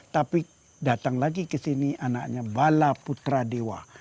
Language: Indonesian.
tapi datang lagi ke sini anaknya bala putra dewa